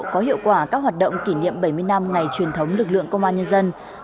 có hiệu quả các hoạt động kỷ niệm bảy mươi năm ngày truyền thống lực lượng công an nhân dân